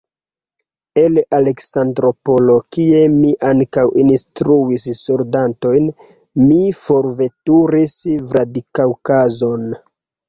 El Aleksandropolo, kie mi ankaŭ instruis soldatojn, mi forveturis Vladikaŭkazon.